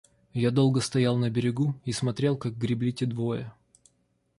Я долго стоял на берегу и смотрел, как гребли те двое.